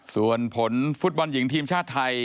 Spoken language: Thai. ส่วนผลฟุตบอลหญิงทีมชาติไทย